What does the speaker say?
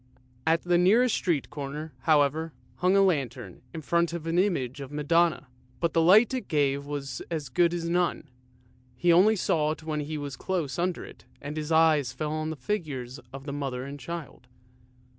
At the nearest street corner, however, hung a lantern in front of an image of the Madonna, but the light it gave was as good as none, he only saw it when he was close under it and his eyes fell on the figures of the Mother and Child.